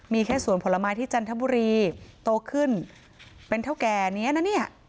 มีแค่สวนผลไม้ที่จันทบุรีโตขึ้นเป็นเท่าแก่นี้นะเนี่ย